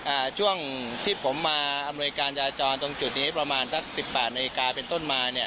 อ่าช่วงที่ผมมาอำนวยการจราจรตรงจุดนี้ประมาณสักสิบแปดนาฬิกาเป็นต้นมาเนี่ย